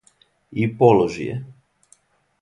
И положи је.